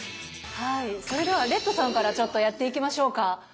はいそれではレッドさんからちょっとやっていきましょうか？